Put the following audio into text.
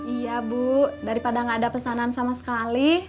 iya bu daripada gak ada pesanan sama sekali